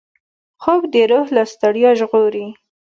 خوب د روح له ستړیا ژغوري